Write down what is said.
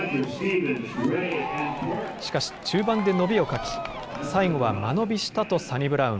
しかし、中盤で伸びを欠き、最後は間延びしたとサニブラウン。